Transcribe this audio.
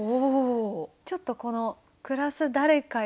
ちょっとこの「暮らす誰かよ